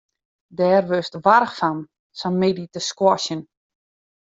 Dêr wurdst warch fan, sa'n middei te squashen.